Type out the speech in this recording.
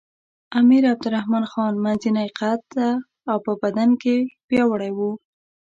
امیر عبدالرحمن خان منځنی قده او په بدن کې پیاوړی وو.